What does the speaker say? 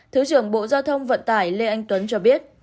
thứ trưởng bộ giao thông vận tải lê anh tuấn cho biết